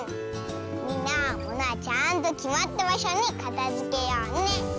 みんなものはちゃんときまったばしょにかたづけようね！